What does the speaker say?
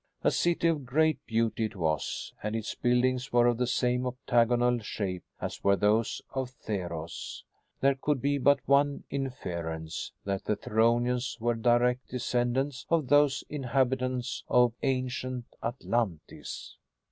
A city of great beauty it was, and its buildings were of the same octagonal shape as were those of Theros! There could be but one inference the Theronians were direct descendants of those inhabitants of ancient Atlantis.